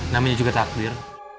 namanya juga takdir